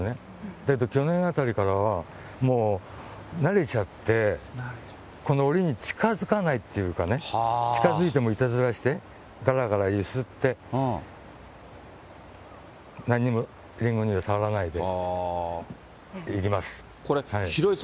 だけど去年あたりからは、もう慣れちゃって、このおりに近づかないっていうかね、近づいてもいたずらして、がらがら揺すって、なんにも、りんごには触らないでいきます。